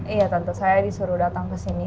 iya tante saya disuruh datang kesini